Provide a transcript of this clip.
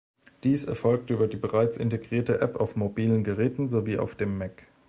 Dies erfolgte über die bereits integrierte App auf mobilen Geräten sowie auf dem Mac.